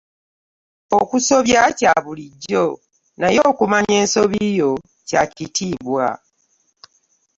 Okusobya kya bulijjo naye okumanya ensobi yo kya kitiibwa.